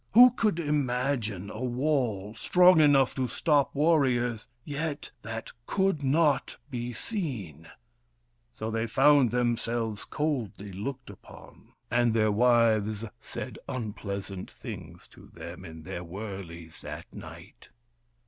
Who could imagine a wall, strong enough to stop warriors, yet that could not be seen ? So they found themselves coldly looked upon, and their wives said unpleasant things to them in their wur leys that night.